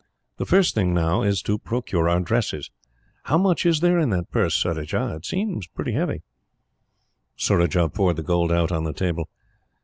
"The first thing, now, is to procure our dresses. How much is there in that purse, Surajah? It seems pretty heavy." Surajah poured the gold out on the table.